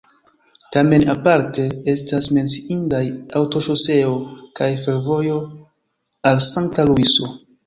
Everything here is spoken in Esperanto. Tamen aparte estas menciindaj aŭtoŝoseo kaj fervojo al Sankta Luiso.